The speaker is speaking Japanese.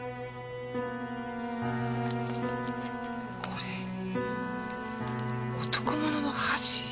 これ男物の箸？